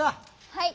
はい。